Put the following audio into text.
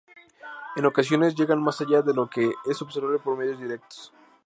En ocasiones llegan más allá de lo que es observable por medios directos.